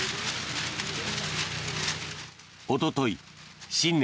おととい新年